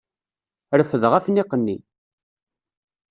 Refdeɣ afniq-nni.